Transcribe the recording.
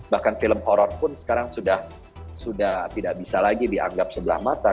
bahkan film horror pun sekarang sudah tidak bisa lagi dianggap sebelah mata